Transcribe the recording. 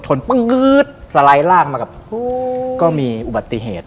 ชนปั๊งสลายลากมาก็มีอุบัติเหตุ